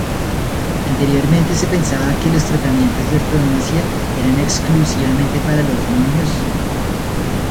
Anteriormente se pensaba que los tratamientos de ortodoncia eran exclusivamente para los niños.